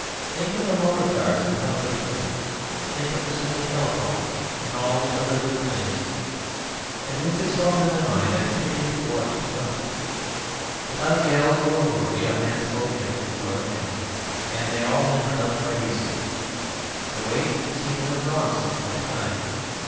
Think of the motor cars, and how they purr. Think of the simple telephone, and all the other little things." And with this thought in my mind I continued to watch the guns. Without yells or worry a man spoke gently to other men, and they all limbered up, quite easily. The weight seemed to have gone since my time.